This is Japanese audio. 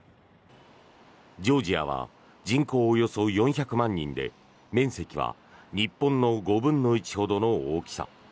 ジョージアは人口およそ４００万人で面積は日本の５分の１ほどの大きさ。